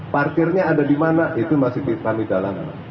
parkirnya ada dimana itu masih kami dalam